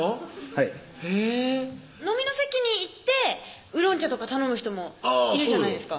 はい飲みの席に行ってウーロン茶とか頼む人もいるじゃないですか